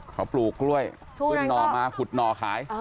เขาปลูกกล้วยขึ้นหน่อมาขุดหน่อขาย